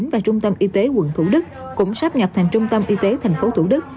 và trung tâm y tế quận thủ đức cũng sắp nhập thành trung tâm y tế tp thủ đức